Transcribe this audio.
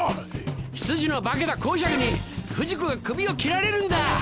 執事の化けた侯爵に不二子が首を切られるんだ！